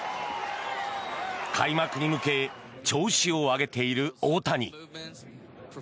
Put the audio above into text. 開幕に向け調子を上げている大谷。